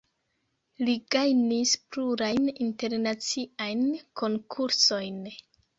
Li gajnis plurajn internaciajn konkursojn.